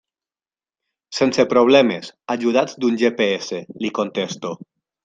«Sense problemes, ajudats d'un GPS», li contesto.